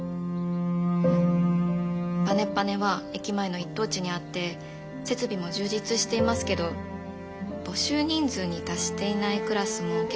パネパネは駅前の一等地にあって設備も充実していますけど募集人数に達していないクラスも結構多くて。